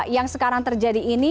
yang sekarang terjadi ini